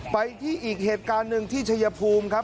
ไปที่อีกเหตุการณ์หนึ่งที่ชัยภูมิครับ